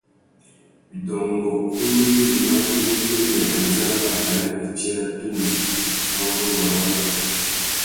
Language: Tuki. Widôngôkunú yïmá i mu tirimiya andjara makana itsi râ tumu râ urrôngô râ watu.